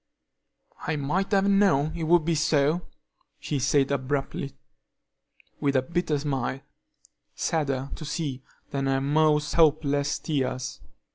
"I might have known it would be so," she said abruptly, with a bitter smile, sadder to see than her most hopeless tears.